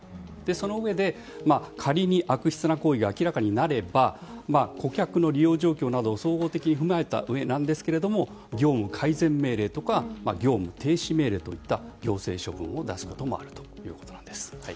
そのうえで仮に悪質な行為が明らかになれば顧客の利用状況などを総合的に踏まえた上なんですけど業務改善命令とか業務停止命令という行政処分を出すこともあるということなんです。